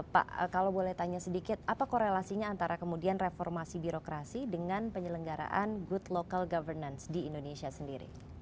pak kalau boleh tanya sedikit apa korelasinya antara kemudian reformasi birokrasi dengan penyelenggaraan good local governance di indonesia sendiri